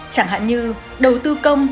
chẳng hạn như đầu tư công